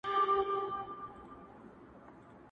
ته په ډله کي روان سه د څارویو-